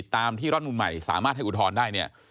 ตามที่ร้อนมุมใหม่สามารถให้อุทธรณได้